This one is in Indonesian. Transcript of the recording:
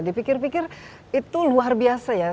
dipikir pikir itu luar biasa ya